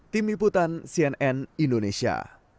tim liputan cnn indonesia